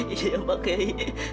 iya pak yai